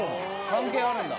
関係あるんだ。